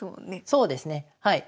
そうですねはい。